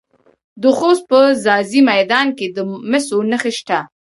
د خوست په ځاځي میدان کې د مسو نښې شته.